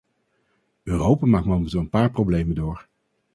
Europa maakt momenteel een paar problemen door.